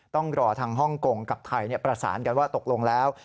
ต้องรอทางฮ่องกงกับไทยประสานกันว่าตกลงแล้ว